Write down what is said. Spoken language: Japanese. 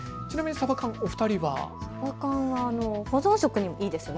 サバ缶は保存食にもいいですよね。